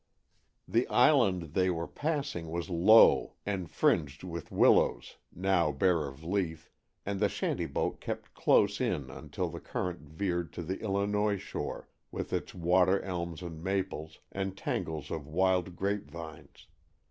The island they were passing was low and fringed with willows, now bare of leaf, and the shanty boat kept close in until the current veered to the Illinois shore, with its water elms and maples, and tangles of wild grapevines.